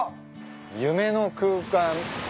夢の空間。